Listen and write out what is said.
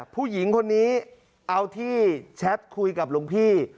ผู้หญิงคนนี้เอาที่แชทคุยกับหลวงพี่